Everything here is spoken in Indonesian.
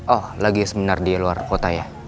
oh lagi seminar di luar kota ya